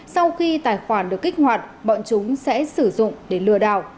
sau khi tài khoản được kích hoạt bọn chúng sẽ sử dụng để lừa đảo